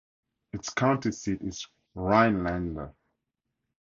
Its county seat is Rhinelander.